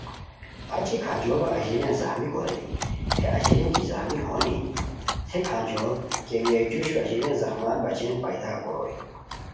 اچی کھانجوڑو اژیلیان زخمی کوریلیک ہے اژیلی کی زخمی ہونی تھے کھانجوڑ کیمیا جوشو اژیلیان زخمان بچین پید ا کوروئے